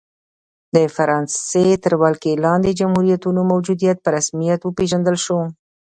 د فرانسې تر ولکې لاندې جمهوریتونو موجودیت په رسمیت وپېژندل شو.